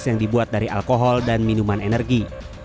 yang dibuat dari alkohol dan minuman energi